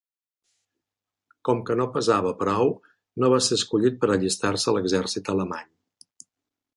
Com que no pesava prou, no va ser escollit per allistar-se a l'exèrcit alemany.